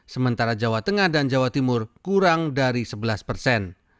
sementara jawa tengah dan jawa timur kurang dari sebelas persen